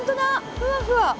ふわふわ。